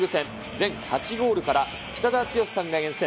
全８ゴールから、北澤豪さんが厳選。